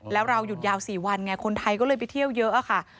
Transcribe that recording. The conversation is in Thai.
แล้วเราหยุดยาว๔วันไงคนไทยก็เลยไปเที่ยวเยอะค่ะ